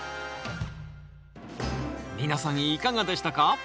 皆さんいかがでしたか？